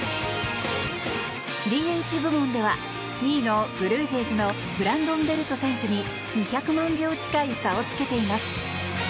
ＤＨ部門では２位のブルージェイズのブランドン・ベルト選手に２００万票近い差をつけています。